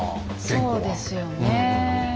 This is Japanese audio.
そうですよねえ